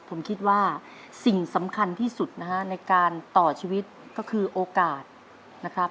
ผมคิดว่าสิ่งสำคัญที่สุดนะฮะในการต่อชีวิตก็คือโอกาสนะครับ